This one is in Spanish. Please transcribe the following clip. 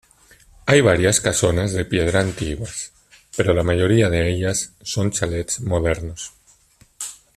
Hay varias casonas de piedra antiguas pero la mayoría de ellas son chalets modernos.